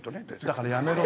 だからやめろ。